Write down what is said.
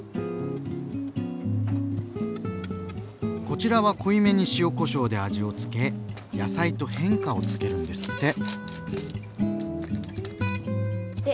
こちらは濃いめに塩こしょうで味を付け野菜と変化をつけるんですって。